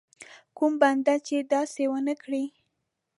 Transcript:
کوم بنده چې داسې ونه کړي.